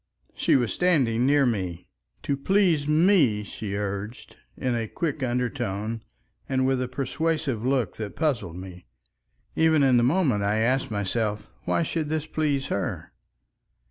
She was standing near me. "To please me," she urged, in a quick undertone, and with a persuasive look that puzzled me. Even in the moment I asked myself why should this please her?